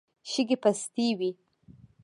شګې پستې وې.